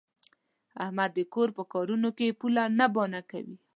احمد د کور په کارونو کې پوله نه بانه کوي.